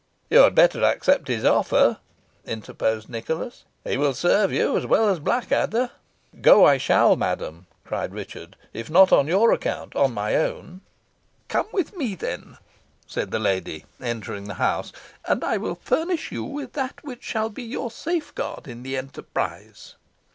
"You had better accept his offer," interposed Nicholas; "he will serve you as well as Blackadder." "Go I shall, madam," cried Richard; "if not on your account, on my own." "Come, then, with me," said the lady, entering the house, "and I will furnish you with that which shall be your safeguard in the enterprise."